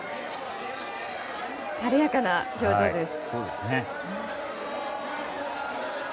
晴れやかな表情です。